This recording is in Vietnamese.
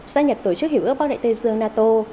gia nhập tổ chức hiểu ước bắc đại tây dương nato